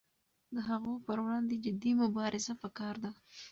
د هغو پر وړاندې جدي مبارزه پکار ده.